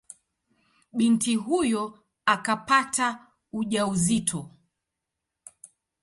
Binti huyo akapata ujauzito.